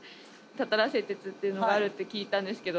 たたら製鐵っていうのがあるって聞いたんですけど。